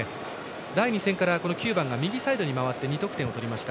第２戦から９番右サイドに回って２得点を取りました。